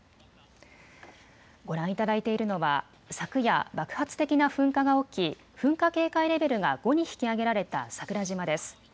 ご覧いただいているのは昨夜、爆発的な噴火が起き噴火警戒レベルが５に引き上げられた桜島です。